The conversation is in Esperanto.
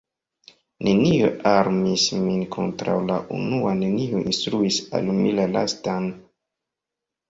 Nenio armis min kontraŭ la unua, nenio instruis al mi la lastan.